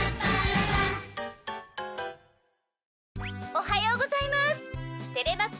おはようございますてれます